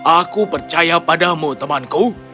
aku percaya padamu temanku